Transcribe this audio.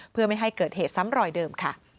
เพื่อไม่ให้เกิดเหตุซ้ำรอยเดิมค่ะ